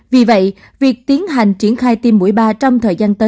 vì vậy việc tiến hành triển khai tiêm mũi ba trong thời gian tới sẽ là một vấn đề rất quan trọng